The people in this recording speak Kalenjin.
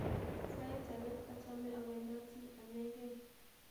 Sait ake achame awendoti anekey